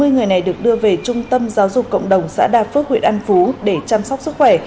hai mươi người này được đưa về trung tâm giáo dục cộng đồng xã đa phước huyện an phú để chăm sóc sức khỏe